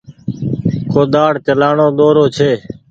ڪوۮآڙ چلآڻو ڏورو ڇي۔